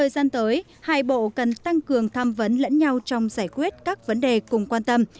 gian tới hai bộ cần tăng cường tham vấn lẫn nhau trong giải quyết các vấn đề cùng quan tâm